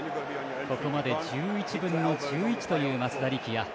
ここまで１１分の１１という松田力也。